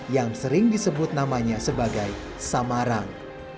yang sering disebut namanya sebagai samarang